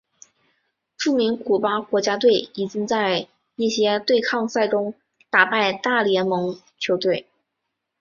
著名古巴国家队已经在一些对抗赛中打败大联盟球队。